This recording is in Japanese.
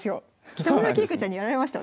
北村桂香ちゃんにやられました